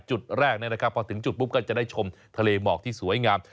จุดแรกพอถึงจุดปุ๊บก็จะได้ชมทะเลหมอกที่สวยงาม